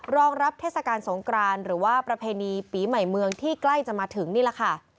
รองรับเทศกาลสงกรานหรือว่าประเพณีปีใหม่เมืองที่ใกล้จะมาถึงนี่แหละค่ะ